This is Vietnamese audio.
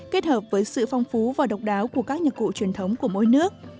kết hợp với sự phong phú và độc đáo của các nhạc cụ truyền thống của mỗi nước